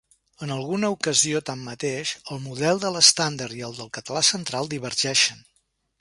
En alguna ocasió, tanmateix, el model de l'estàndard i el del català central divergeixen.